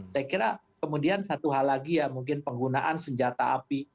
saya kira kemudian satu hal lagi ya mungkin penggunaan senjata api